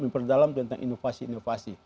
memperdalam tentang inovasi inovasi